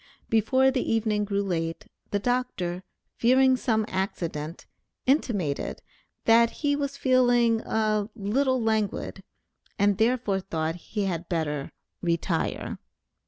Before the evening grew late, the Dr., fearing some accident, intimated, that he was feeling a "little languid," and therefore thought that he had better "retire."